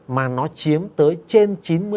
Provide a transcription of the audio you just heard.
mà nó chiếm tới trên chín mươi